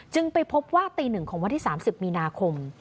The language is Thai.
ไปพบว่าตี๑ของวันที่๓๐มีนาคม